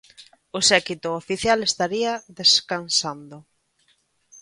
O séquito oficial estaría descansando.